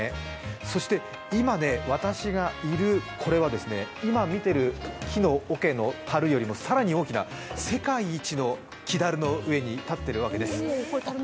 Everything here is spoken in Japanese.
そして、今、私がいる今見ている木のおけのたるよりも更に大きな世界一の木だるの上に立っているわけです。